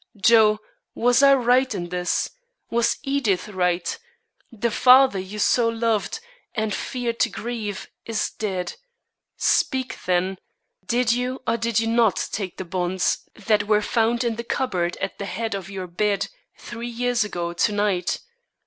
Joe, was I right in this? was Edith right? The father you so loved, and feared to grieve, is dead. Speak, then: Did you or did you not take the bonds that were found in the cupboard at the head of your bed three years ago to night?